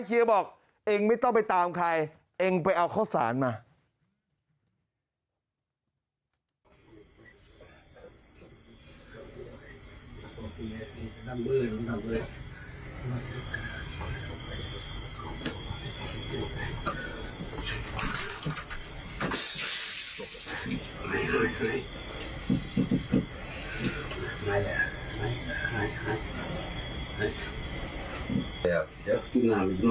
เฮียบอกเองไม่ต้องไปตามใครเองไปเอาข้าวสารมา